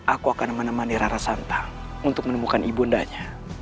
aku akan menemani rara santa untuk menemukan ibu undanya